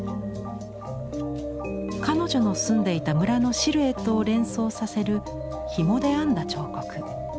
彼女の住んでいた村のシルエットを連想させるひもで編んだ彫刻。